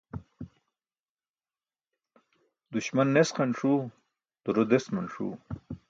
Duśman nesqan ṣuu duro desman ṣuu